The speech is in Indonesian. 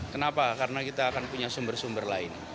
kenapa karena kita akan punya sumber sumber lain